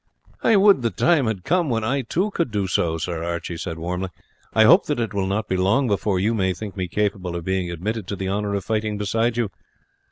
"I would that the time had come when I too could do so, sir," Archie said warmly. "I hope that it will not be long before you may think me capable of being admitted to the honour of fighting beside you.